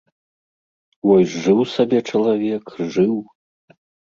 Вось жыў сабе чалавек, жыў.